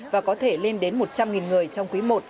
và có thể lên đến một trăm linh người trong quý i